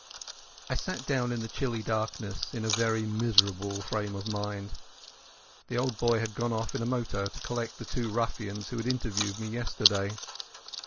I sat down in that chilly darkness in a very miserable frame of mind. The old boy had gone off in a motor to collect the two ruffians who had interviewed me yesterday.